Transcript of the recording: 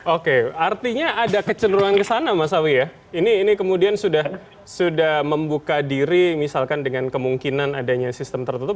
oke artinya ada kecenderungan kesana mas awi ya ini kemudian sudah membuka diri misalkan dengan kemungkinan adanya sistem tertutup